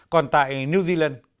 còn tại new zealand